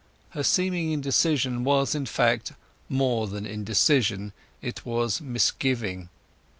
Her seeming indecision was, in fact, more than indecision: it was misgiving.